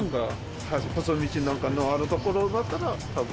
細道なんかのある所だったら多分。